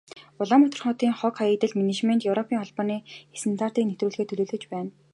Улаанбаатар хотын хог, хаягдлын менежментэд Европын Холбооны стандартыг нэвтрүүлэхээр төлөвлөж байна.